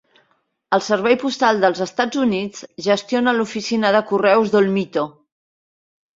El Servei Postal del Estats Units gestiona l'oficina de correus d'Olmito.